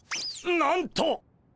なんと！